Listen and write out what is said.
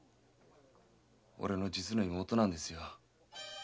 俺の実の妹なんですよ。